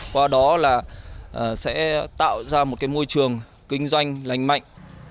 qua đó là sẽ tạo ra một cái môi trường kinh doanh lành mạnh